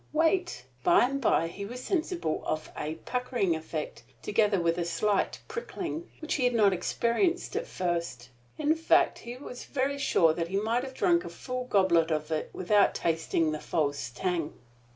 Wait! By and by he was sensible of a puckering effect, together with a slight prickling, which he had not experienced at first. In fact, he was very sure that he might have drunk a full goblet of it without tasting the false tang.